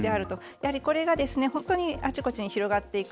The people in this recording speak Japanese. やはり、これが本当にあちこちに広がっていく。